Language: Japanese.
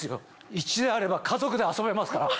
１台あれば家族で遊べますから。